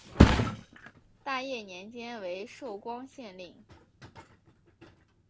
大业年间为寿光县令。